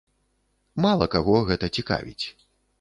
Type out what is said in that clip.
Мала каго гэта цікавіць.